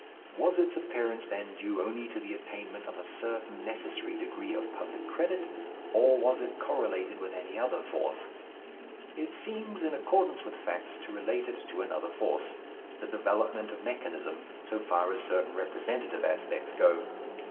Was its appearance then due only to the attainment of a certain necessary degree of public credit, or was it correlated with any other force? It seems in accordance with facts to relate it to another force, the development of mechanism, so far as certain representative aspects go.